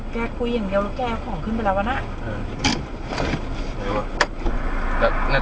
แกคุยอย่างเดียวแกของขึ้นไปแล้วนะเออ